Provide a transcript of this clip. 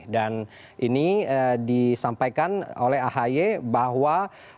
dan ini disampaikan oleh ahi bahwa